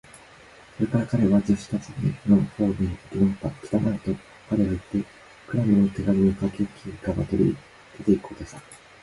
それから彼は、助手たちのほうに向きなおった。「きたまえ！」と、彼はいって、クラムの手紙をかけ金から取り、出ていこうとした。